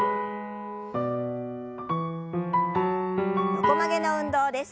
横曲げの運動です。